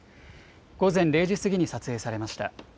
午前０時過ぎに撮影されました。